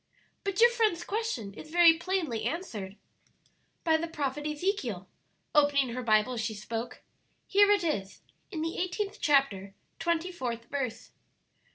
"But your friend's question is very plainly answered by the prophet Ezekiel," opening her Bible as she spoke. "Here it is, in the eighteenth chapter, twenty fourth verse.